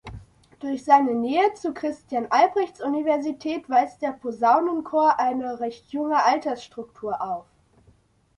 Durch seine Nähe zur Christian Albrechts-Universität weist der Posaunenchor eine recht junge Altersstruktur auf.